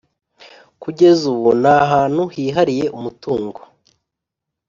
kugeza ubu nta hantu hihariye umutungo